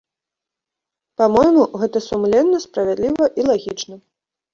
Па-мойму, гэта сумленна, справядліва і лагічна.